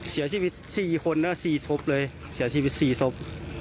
เสียชีวิต๔คนนะ๔ศพเลยเสียชีวิต๔ศพ